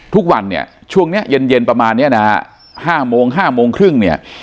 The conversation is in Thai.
ทุกวันช่วงนี้เย็นประมาณนี้๕โมง๕โมงครึ่ง